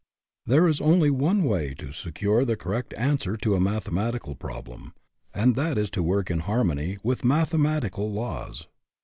There is only one way to secure the correct answer to a mathematical problem; and that is to work in harmony with mathematical laws.